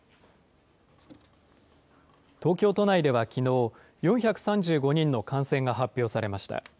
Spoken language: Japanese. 東京都内ではきのう、４３５人の感染が発表されました。